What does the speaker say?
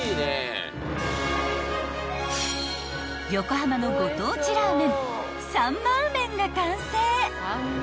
［横浜のご当地ラーメンサンマー麺が完成］